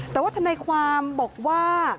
แต่ว่าทนายความบอกว่า